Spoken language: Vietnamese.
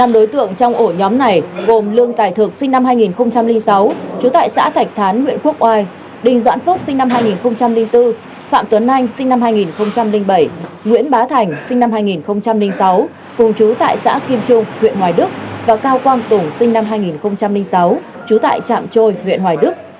năm đối tượng trong ổ nhóm này gồm lương tài thực sinh năm hai nghìn sáu chú tại xã thạch thán huyện quốc oai đình doãn phúc sinh năm hai nghìn bốn phạm tuấn anh sinh năm hai nghìn bảy nguyễn bá thành sinh năm hai nghìn sáu cùng chú tại xã kim trung huyện hoài đức và cao quang tùng sinh năm hai nghìn sáu chú tại trạm trôi huyện hoài đức